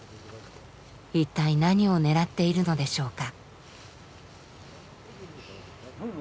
一体何を狙っているのでしょうか？